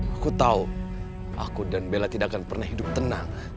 aku tahu aku dan bella tidak akan pernah hidup tenang